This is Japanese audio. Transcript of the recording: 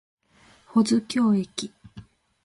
保津峡駅